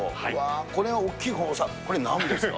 これ、大きい魚、これなんですか。